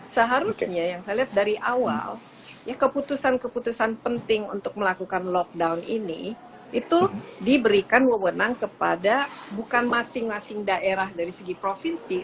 seharusnya yang saya lihat dari awal ya keputusan keputusan penting untuk melakukan lockdown ini itu diberikan wewenang kepada bukan masing masing daerah dari segi provinsi